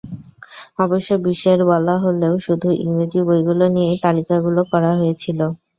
অবশ্য বিশ্বের বলা হলেও শুধু ইংরেজি বইগুলো নিয়েই তালিকাগুলো করা হয়েছিল।